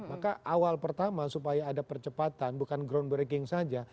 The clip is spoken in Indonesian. maka awal pertama supaya ada percepatan bukan groundbreaking saja